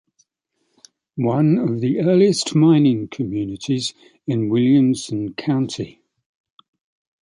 One of the earliest mining communities in Williamson County.